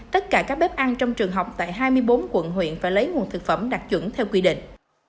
tất cả các bếp ăn trong trường học tại hai mươi bốn quận huyện phải lấy nguồn thực phẩm đặc chuẩn theo quy định